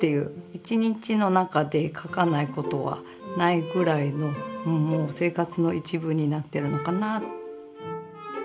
一日の中で描かないことはないぐらいのもう生活の一部になってるのかな。